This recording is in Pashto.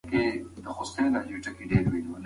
ځینې جعلي ویډیوګانې خندوونکې وي.